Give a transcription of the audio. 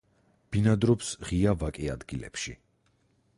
ბინადრობს ღია ვაკე ადგილებში.